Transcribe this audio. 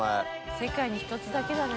世界に１つだけだね。